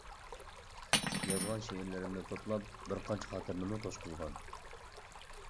يازغان شېئىرلىرىمنى توپلاپ بىر قانچە خاتىرىنىمۇ توشقۇزغان.